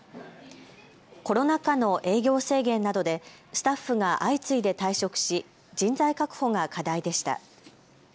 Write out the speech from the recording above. コロナ禍の営業制限などでスタッフが相次いで退職し人材確保が課題でした。